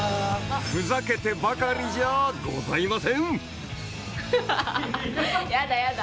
ふざけてばかりじゃございませんハハハ！